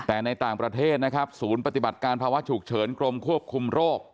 แต่ในต่างประเทศนะครับศูนย์ปฏิบัติการภาวะฉุกเฉินกรมควบคุมโรค